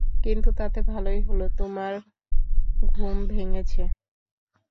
কিন্তু তাতে ভালোই হলো, তোমার ঘুম ভেঙ্গেছে।